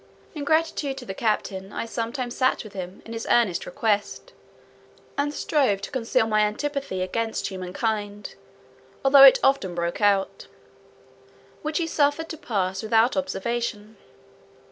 In gratitude to the captain, I sometimes sat with him, at his earnest request, and strove to conceal my antipathy against humankind, although it often broke out; which he suffered to pass without observation.